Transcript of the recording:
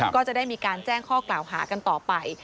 ก็จะได้มีการแจ้งข้อกล่าวหากันต่อไป